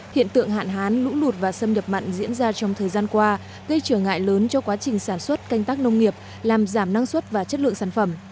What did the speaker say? hiện tượng hạn hán lũ lụt và xâm nhập mặn diễn ra trong thời gian qua gây trở ngại lớn cho quá trình sản xuất canh tác nông nghiệp làm giảm năng suất và chất lượng sản phẩm